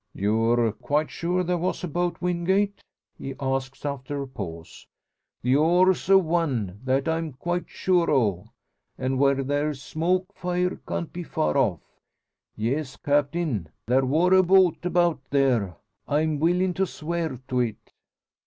"You're quite sure there was a boat, Wingate?" he asks, after a pause. "The oars o' one that I'm quite sure o'. An' where there's smoke fire can't be far off. Yes, Captain, there wor a boat about there. I'm willin' to swear to it."